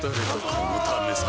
このためさ